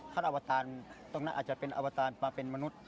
อวตารตรงนั้นอาจจะเป็นอวตารมาเป็นมนุษย์